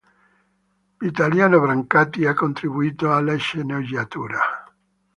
Vitaliano Brancati ha contribuito alla sceneggiatura.